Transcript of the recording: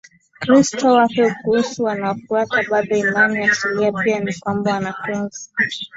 Ukristo wake Kuhusu wanaofuata bado imani asilia pia ni kwamba wanatunza